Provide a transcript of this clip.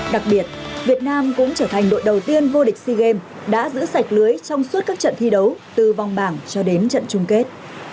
đặc biệt việt nam cũng trở thành đội đầu tiên vô địch sea games đã giữ sạch lưới trong suốt các trận thi đấu từ vòng bảng cho đến trận chung kết